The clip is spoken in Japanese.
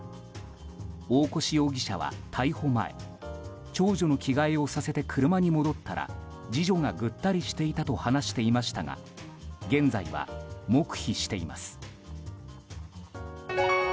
大越容疑者は逮捕前長女の着替えをさせて車に戻ったら次女がぐったりしていたと話していましたが現在は黙秘しています。